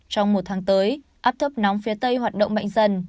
trong một tháng tới áp thấp nóng phía tây hoạt động mạnh dần